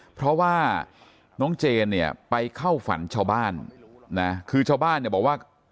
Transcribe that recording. เพราะว่าน้องเจนเนี่ยไปเข้าฝันชาวบ้านนะคือชาวบ้านเนี่ยบอกว่า